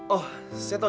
oh saya tau